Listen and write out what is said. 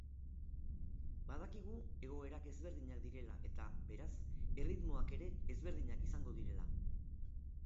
Badakigu egoerak ezberdinak direla eta, beraz, erritmoak ere ezberdinak izango direla.